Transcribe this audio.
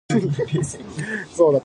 ただの散髪